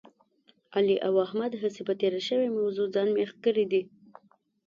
علي او احمد هسې په تېره شوې موضوع ځان مېخ کړی دی.